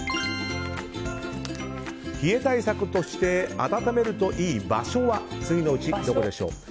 冷え対策として温めるといい場所は次のうちどこでしょうか。